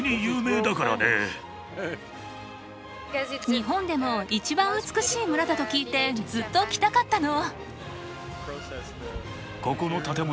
日本でも一番美しい村だと聞いてずっと来たかったの。